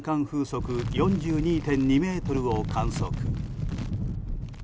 風速４２．２メートルを観測。